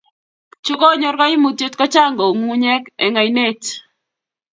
chekonyor kaimutiet ko chang ko u ngunguyek eng ainet